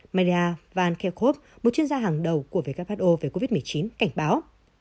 maria van kerkhove một chuyên gia hàng đầu của who về covid một mươi chín cảnh báo